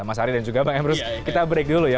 mas ari dan juga bang emrus kita break dulu ya